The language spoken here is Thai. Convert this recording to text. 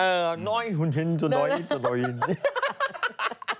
เออน้อยหุ่นหินจุดน้อยอีกจุดน้อยอีก